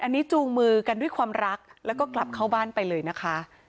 อันนี้จูงมือกันด้วยความรักแล้วก็กลับเข้าบ้านไปเลยนะคะ